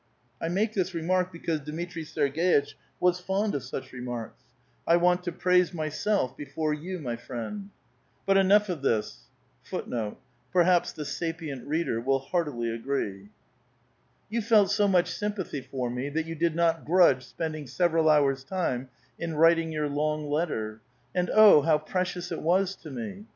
I make this remark because Dmitri 8erg6itch was fond of such remarks. I want to praise myself before you, my friend. But enough of this.^ You felt bo much sympathy for me that you did not grudge si>ending several hours* time in writ ing your long letter — and oh, how precious it was to me